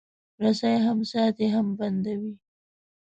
رسۍ هم ساتي، هم بندوي.